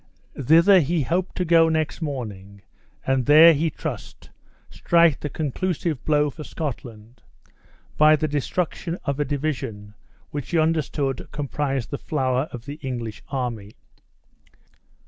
Thither he hoped to go next morning, and there, he trusted, strike the conclusive blow for Scotland, by the destruction of a division which he understood comprised the flower of the English army.